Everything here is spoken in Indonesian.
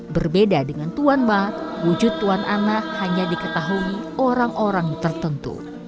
berbeda dengan tuan ma wujud tuan ana hanya diketahui orang orang tertentu